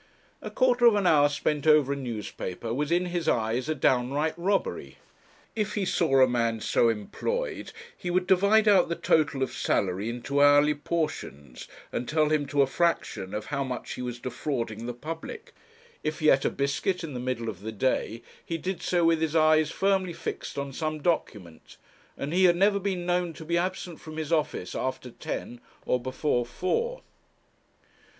A quarter of an hour spent over a newspaper was in his eyes a downright robbery. If he saw a man so employed, he would divide out the total of salary into hourly portions, and tell him to a fraction of how much he was defrauding the public. If he ate a biscuit in the middle of the day, he did so with his eyes firmly fixed on some document, and he had never been known to be absent from his office after ten or before four.